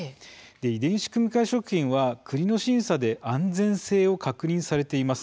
遺伝子組み換え食品は国の審査で安全性を確認されています。